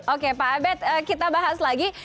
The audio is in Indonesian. oke pak abed kita bahas lagi